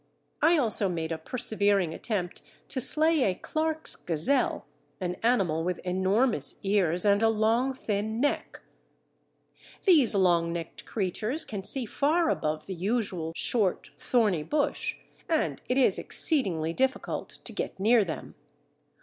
I also made a persevering attempt to slay a Clarke's gazelle, an animal with enormous ears and a long thin neck. Naturalist in Mid Africa. These long necked creatures can see far above the usual short thorny bush, and it is exceeding difficult to get near them.